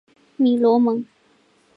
米罗蒙。